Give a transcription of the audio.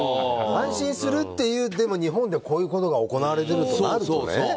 安心するっていう日本で、でもこういうことが行われてるとなるとね